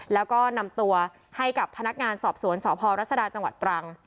แล้วก็นำตัวให้กับพนักงานสอบสวนสพรัศดาจังหวัดตรัง